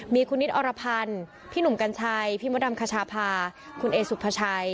มีคุณนิดอรพันธ์พี่หนุ่มกัญชัยพี่มดดำคชาพาคุณเอสุภาชัย